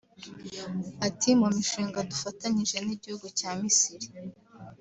Ati “Mu mishinga dufatanyije n’igihugu cya Misiri